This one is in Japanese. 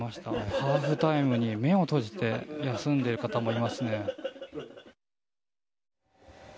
ハーフタイムに目を閉じて休んでいる方もいますね。